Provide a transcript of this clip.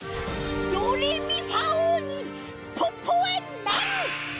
ドレミファおうにポッポはなる！